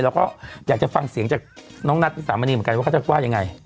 แล้วก็อยากจะฟังเสียงจากน้องนัทวิสามณีเหมือนกันว่าเขาจะว่ายังไง